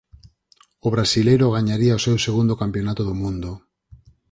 O brasileiro gañaría o seu segundo Campionato do Mundo.